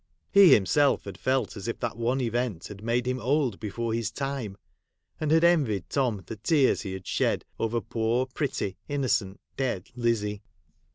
He himself had felt as if that one event had made him old before his tune ; and had envied Tom the tears he had shed over poor, pretty, innocent, dead Lizzie.